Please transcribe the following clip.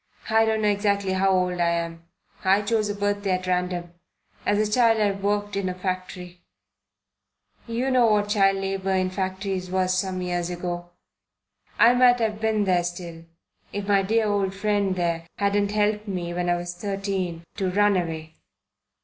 I don't know exactly how old I am. I chose a birthday at random. As a child I worked in a factory. You know what child labour in factories was some years ago. I might have been there still, if my dear old friend there hadn't helped me when I was thirteen to run away.